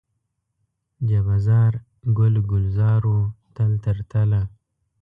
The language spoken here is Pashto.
جبه زار، ګل و ګلزار و تل تر تله